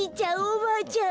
おばあちゃん